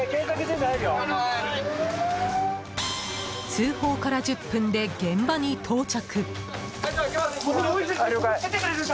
通報から１０分で、現場に到着。